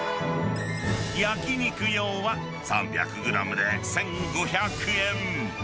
焼き肉用は３００グラムで１５００円。